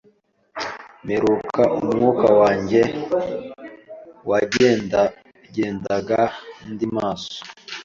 Mperuka, umwuka wanjye wagendagendaga ndi maso